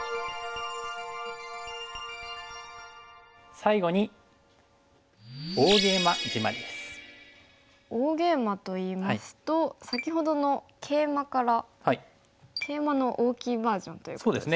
最後に大ゲイマといいますと先ほどのケイマからケイマの大きいバージョンという感じですかね。